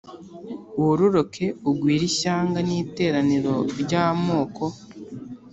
wororoke ugwire ishyanga n iteraniro ry amoko